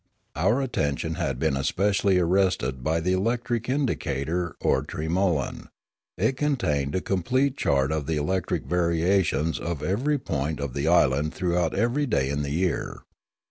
Our attention had been especially arrested by the electric indicator or tremolan. It contained a complete chart of the electric variations of every point of the island throughout every day in the year.